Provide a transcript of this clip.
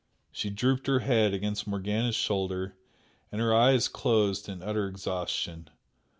She drooped her head against Morgana's shoulder and her eyes closed in utter exhaustion.